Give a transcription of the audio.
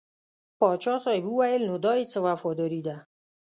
پاچا صاحب وویل نو دا یې څه وفاداري ده.